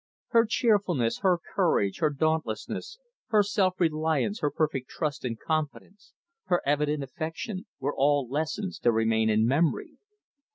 Her cheerfulness, her courage, her dauntlessness, her self reliance, her perfect trust and confidence, her evident affection, were all lessons to remain in memory.